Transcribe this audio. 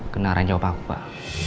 kena aranjop aku pak